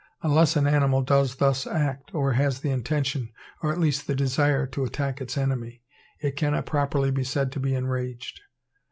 Unless an animal does thus act, or has the intention, or at least the desire, to attack its enemy, it cannot properly be said to be enraged.